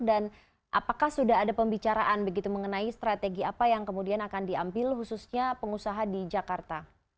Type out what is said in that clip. apakah sudah ada pembicaraan begitu mengenai strategi apa yang kemudian akan diambil khususnya pengusaha di jakarta